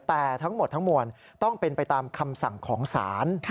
แต่ทั้งหมดทั้งมวลต้องเป็นไปตามคำสั่งของศาล